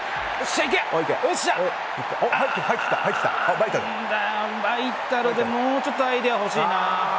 何だよ、バイタルでもうちょっとアイデア欲しいな。